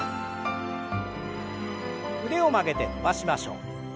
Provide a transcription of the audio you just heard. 腕を曲げて伸ばしましょう。